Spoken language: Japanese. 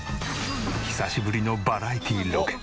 久しぶりのバラエティロケ。